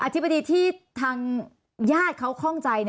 ธิบดีที่ทางญาติเขาคล่องใจ